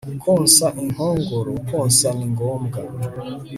konsa inkongoro Konsa ni ngombwa